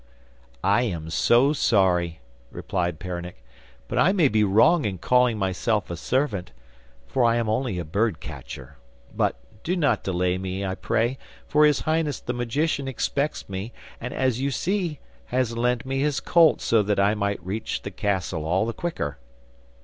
'I am so sorry,' replied Peronnik, 'but I may be wrong in calling myself a servant, for I am only a bird catcher. But do not delay me, I pray, for his highness the magician expects me, and, as you see, has lent me his colt so that I may reach the castle all the quicker.